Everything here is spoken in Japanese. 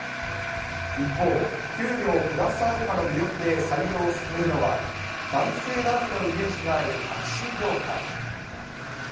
一方、給料プラスアルファの魅力で採用を進めるのは、男性だらけのイメージがあるタクシー業界。